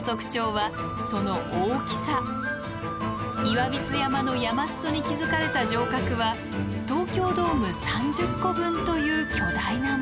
岩櫃山の山裾に築かれた城郭は東京ドーム３０個分という巨大なもの。